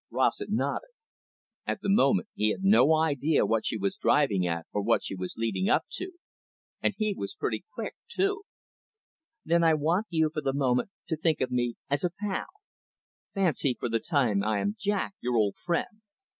Rossett nodded. At the moment he had no idea what she was driving at, or what she was leading up to. And he was pretty quick too. "Then I want you, for the moment, to think of me as a pal. Fancy for the time I am Jack, your old friend.